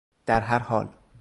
در هر حال